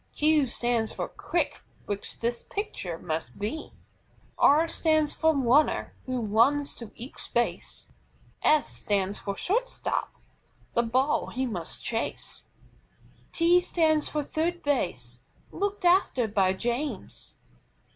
Q stands for QUICK, which this pitcher must be. R stands for RUNNER, who runs to each base. S stands for SHORT STOP, the ball he must chase. T stands for THIRD BASE, looked after by James.